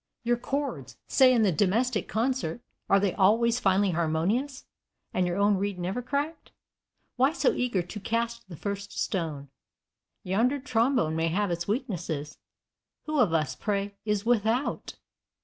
Your chords, say in the domestic concert, are they always finely harmonious, and your own reed never cracked? Why so eager to cast the first stone? Yonder trombone may have its weaknesses who of us, pray, is without?